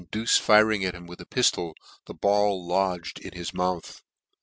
him and Duce firing at him with a piftol, the ball lodged in his mouth.